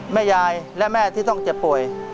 แม่ยายและแม่ที่ต้องเจ็บป่วย